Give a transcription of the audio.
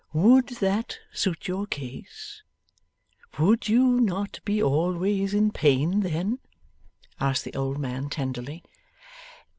'Would that suit your case? Would you not be always in pain then?' asked the old man tenderly.